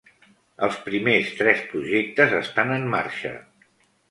Els primers tres projectes estan en marxa.